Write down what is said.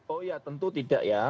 oh ya tentu tidak ya